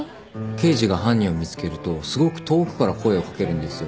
刑事が犯人を見つけるとすごく遠くから声を掛けるんですよ。